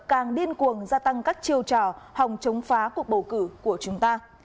càng điên cuồng gia tăng các chiêu trò hòng chống phá cuộc bầu cử của chúng ta